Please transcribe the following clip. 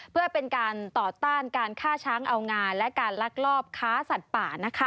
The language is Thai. เพื่อเป็นการต่อต้านการฆ่าช้างเอางานและการลักลอบค้าสัตว์ป่านะคะ